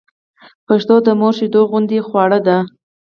پښتو د مور شېدو غوندې خواړه ده